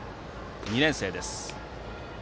２年生です。